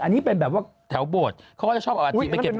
อันนี้เป็นแบบว่าแถวโบสถ์เขาก็จะชอบเอาอาถิไปเก็บ